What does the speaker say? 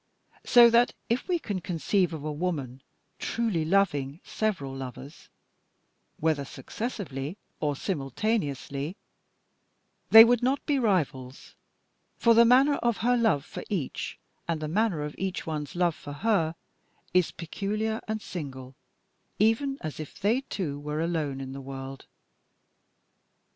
So that, if we can conceive of a woman truly loving several lovers, whether successively or simultaneously, they would not be rivals, for the manner of her love for each, and the manner of each one's love for her, is peculiar and single, even as if they two were alone in the world.